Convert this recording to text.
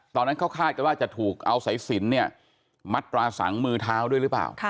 ตอนนั้นเขาคาดกันว่าจะถูกเอาสายสินเนี่ยมัดตราสังมือเท้าด้วยหรือเปล่า